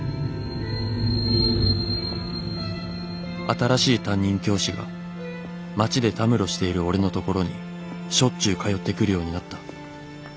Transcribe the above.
「新しい担任教師が街でたむろしている俺のところにしょっちゅう通ってくるようになった。